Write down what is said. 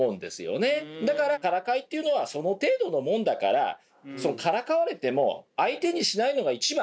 だからからかいっていうのはその程度のもんだからからかわれても相手にしないのが一番。